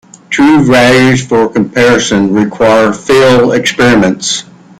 True values for comparison require field experiments.